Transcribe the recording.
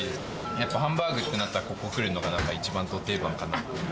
やっぱハンバーグってなったら、ここ来るのがなんか一番ど定番かなと。